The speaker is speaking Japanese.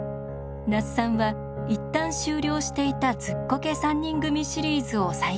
那須さんは一旦終了していた「ズッコケ三人組」シリーズを再開します。